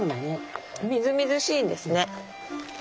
みずみずしいんですね。